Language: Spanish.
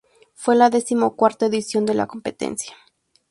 Fue la decimocuarta edición de la competencia.